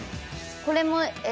これも。え！